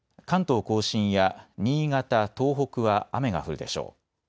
関東甲信や新潟、東北は雨が降るでしょう。